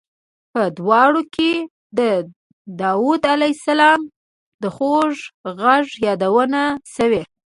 په دواړو کې د داود علیه السلام د خوږ غږ یادونه شوې.